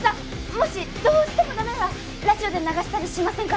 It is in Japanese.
もしどうしてもダメならラジオで流したりしませんから。